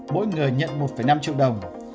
mỗi người nhận một năm triệu đồng